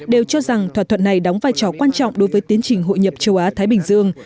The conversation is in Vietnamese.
đều cho rằng thỏa thuận này đóng vai trò quan trọng đối với tiến trình hội nhập châu á thái bình dương